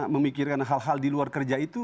memikirkan hal hal di luar kerja itu